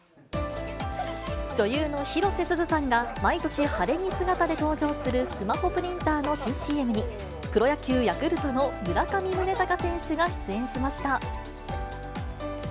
女優の広瀬すずさんが毎年晴れ着姿で登場するスマホプリンターの新ＣＭに、プロ野球・ヤクルトの村上宗隆選手が出演しました。